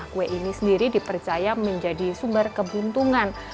kue ini sendiri dipercaya menjadi sumber kebuntungan